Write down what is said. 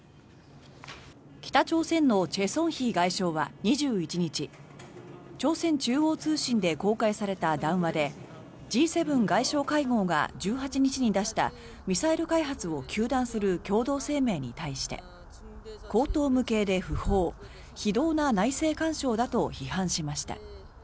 北朝鮮のチェ・ソンヒ外相は２１日朝鮮中央通信で公開された談話でＧ７外相会合が１８日に出したミサイル開発を糾弾する共同声明に対して荒唐無稽で不法非道な内政干渉だと批判しました。